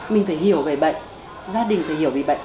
mình phải hiểu về bệnh gia đình phải hiểu vì bệnh